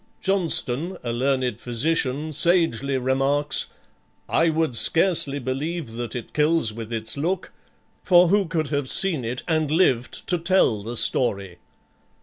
Jonston, a learned physician, sagely remarks, "I would scarcely believe that it kills with its look, for who could have seen it and lived to tell the story?"